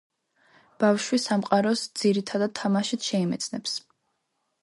ბავშვი სამყაროს, ძირითადად, თამაშით შეიმეცნებს.